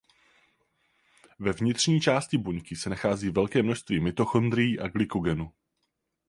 Ve vnitřní části buňky se nachází velké množství mitochondrií a glykogenu.